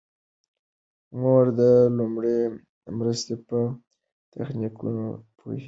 مور د لومړنۍ مرستې په تخنیکونو پوهیږي.